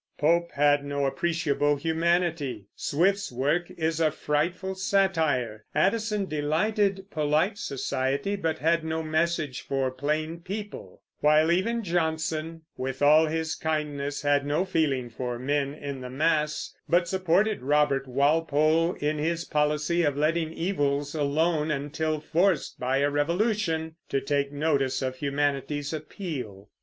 Pope had no appreciable humanity; Swift's work is a frightful satire; Addison delighted polite society, but had no message for plain people; while even Johnson, with all his kindness, had no feeling for men in the mass, but supported Sir Robert Walpole in his policy of letting evils alone until forced by a revolution to take notice of humanity's appeal.